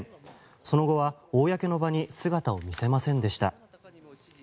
その後は公の場に姿を見せませんでした。